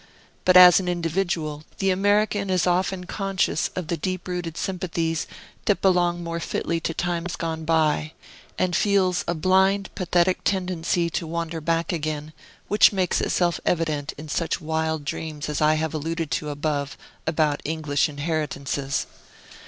But as an individual, the American is often conscious of the deep rooted sympathies that belong more fitly to times gone by, and feels a blind pathetic tendency to wander back again, which makes itself evident in such wild dreams as I have alluded to above, about English inheritances.